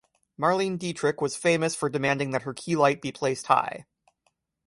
Marlene Dietrich was famous for demanding that her key light be placed high.